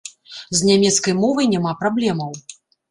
З нямецкай мовай няма праблемаў.